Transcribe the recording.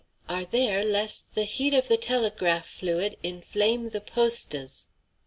are there lest the heat of the telegraph fluid inflame the post es!"